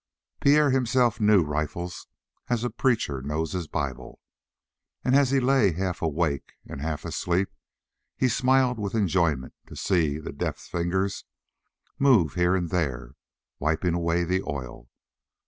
Pierre himself knew rifles as a preacher knows his Bible, and as he lay half awake and half asleep he smiled with enjoyment to see the deft fingers move here and there, wiping away the oil.